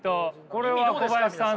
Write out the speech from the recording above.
これは小林さん